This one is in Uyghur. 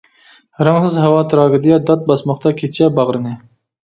رەڭسىز ھاۋا تىراگېدىيە، دات باسماقتا كېچە باغرىنى.